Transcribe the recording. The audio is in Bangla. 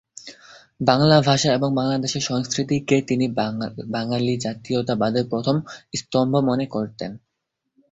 বাংলা ভাষা ও বাংলাদেশের সংস্কৃতিকে তিনি বাঙালি জাতীয়তাবাদের প্রথম স্তম্ভ মনে করতেন।